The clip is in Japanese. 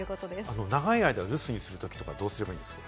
長い間、留守にするときはどうすればいいんですか？